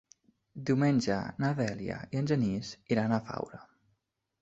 Diumenge na Dèlia i en Genís iran a Faura.